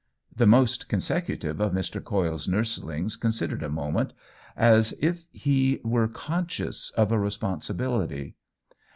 The most consecutive of Mr. Coyle's nurslings considered a moment, as if he were conscious of a responsibility.